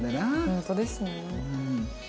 本当ですね。